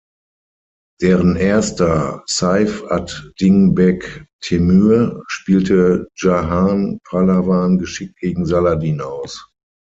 Deren erster, Saif ad-Din Beg-Temür, spielte Dschahan-Pahlavan geschickt gegen Saladin aus.